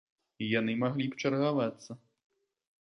І яны маглі б чаргавацца.